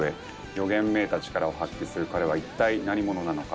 予言めいた力を発揮する彼は一体何者なのか？